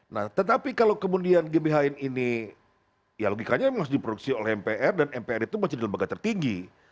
nah tetapi kalau kemudian gbhn ini ya logikanya memang harus diproduksi oleh mpr dan mpr itu masih di lembaga tertinggi